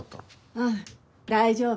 うん大丈夫